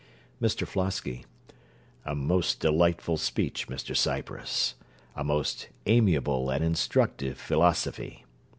MR FLOSKY A most delightful speech, Mr Cypress. A most amiable and instructive philosophy.